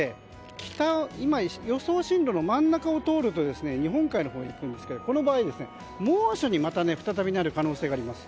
今、予想進路の真ん中を通ると日本海のほうにいくんですがこの場合再び猛暑になる可能性があります。